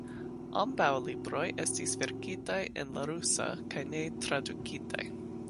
Ambaŭ libroj estis verkitaj en la rusa kaj ne tradukitaj.